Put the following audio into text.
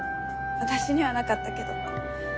私にはなかったけど。